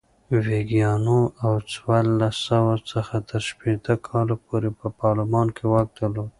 ویګیانو له څوارلس سوه څخه تر شپېته کاله پورې پر پارلمان واک درلود.